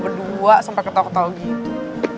berdua sampai ketau ketau gitu